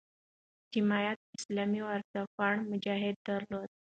جمعیت اسلامي ورځپاڼه "مجاهد" درلوده.